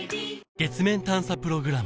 月面探査プログラム